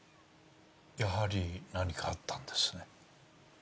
やはり何かあったんですね？